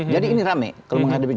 jadi ini rame kalau menghadapi